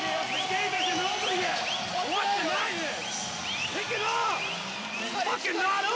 終わってないです！